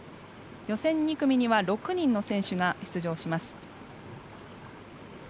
予選２組には６人の選手が出場します。